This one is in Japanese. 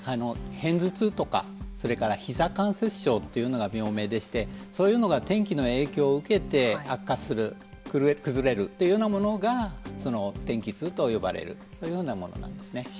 偏頭痛とかそれから膝関節症というのが病名でしてそういうのが天気の影響を受けて悪化する崩れるというふうなものが天気痛と呼ばれるそういうふうなものなんですね。